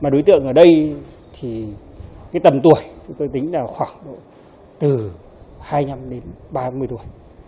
đối tượng ở đây tầm tuổi tôi tính là khoảng từ hai mươi năm đến ba mươi tuổi